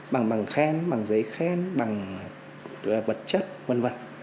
bằng bằng khen bằng giấy khen bằng vật chất vân vân